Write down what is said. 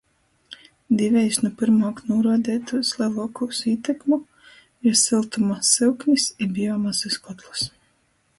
Divejis nu pyrmuok nūruodeitūs leluokūs ītekmu ir syltuma syuknis i biomasys kotlys.